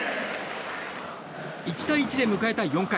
１対１で迎えた４回。